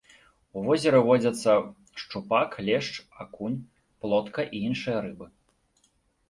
У возеры водзяцца шчупак, лешч, акунь, плотка і іншыя рыбы.